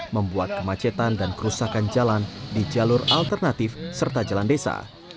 membuat kemacetan dan kerusakan jalan di jalur alternatif serta jalan desa